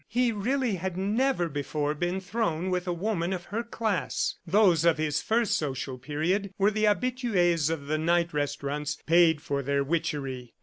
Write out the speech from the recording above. He really had never before been thrown with a woman of her class. Those of his first social period were the habituees of the night restaurants paid for their witchery.